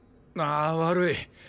ああ悪い。